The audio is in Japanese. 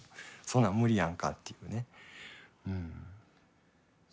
そんなん無理やんかっていうね。